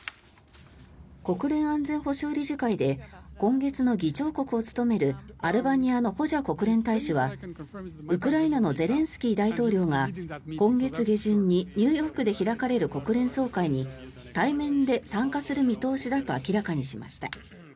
国連安全保障理事会で今月の議長国を務めるアルバニアのホジャ国連大使はウクライナのゼレンスキー大統領が今月下旬に、ニューヨークで開かれる国連総会に対面で参加する見通しだと明らかにしました。